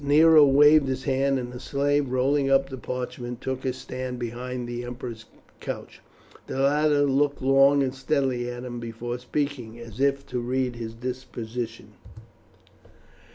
Nero waved his hand, and the slave, rolling up the parchment, took his stand behind the emperor's couch. The latter looked long and steadily at him before speaking, as if to read his disposition.